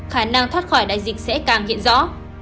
khả năng thoát khỏi đại dịch sẽ càng hiện rõ